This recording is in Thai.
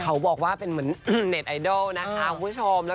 เขาบอกว่าเป็นเหมือนเน็ตไอดอลนะคะคุณผู้ชม